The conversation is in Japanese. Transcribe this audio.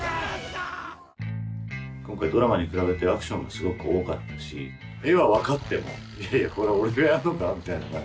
今回ドラマに比べてアクションがすごく多かったし画は分かっても「いやいやこれ俺がやんのか？」